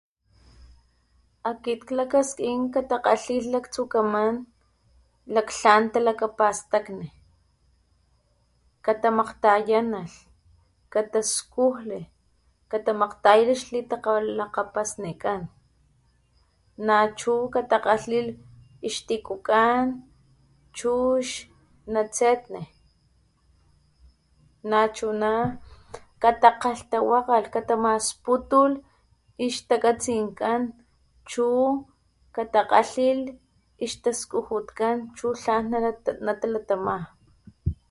Akit klakaskin katakgalhilh laktsukaman laktlan talakapastakni, katamakgatayanalh, kataskujli, katamakgayalh xlitalakgapasnikan nachu katakgalhilh xtikukan chu xnatsetne, nachuna katakgalhtawakgalh katamasputulh ixtakatsinkan chu katakgalhil xtakujutkan chu tlan natalatama.